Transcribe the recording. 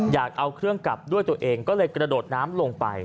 อยากเอาเครื่องกลับด้วยตัวเองก็เลยกระโดดน้ำลงไป